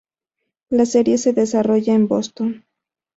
La serie se desarrollará en Boston.